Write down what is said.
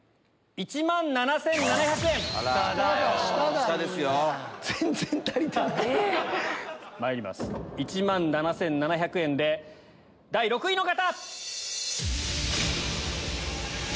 １万７７００円で第６位の方！